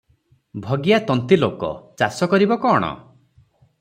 ଭଗିଆ ତନ୍ତୀଲୋକ, ଚାଷ କରିବ କଣ?